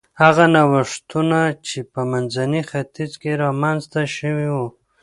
هغه نوښتونه چې په منځني ختیځ کې رامنځته شوي و